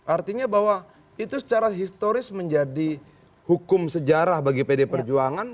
artinya bahwa itu secara historis menjadi hukum sejarah bagi pd perjuangan